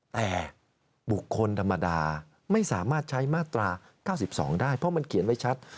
แต่บุคคลธรรมดาไม่สามารถใช้มาตรา๙๒ได้เพราะมันเขียนไว้ชัด